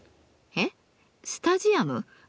えっスタジアム？